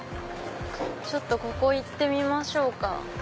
ちょっとここ行ってみましょうか。